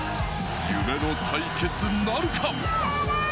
夢の対決なるか？